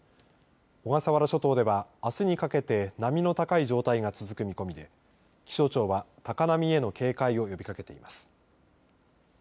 小笠原諸島では、あすにかけて波の高い状態が続く見込みで気象庁は高波への警戒を呼びかけています。